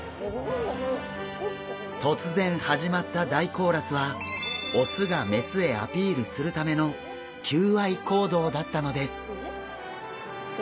突然始まった大コーラスはオスがメスへアピールするための求愛行動だったのです！